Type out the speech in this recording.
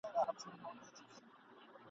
له دراوړیانو څخه دهرتي ماتا پور اخستی دی